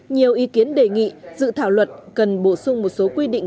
nhiều ý kiến đề nghị dự thảo luật cần bổ sung một số quy định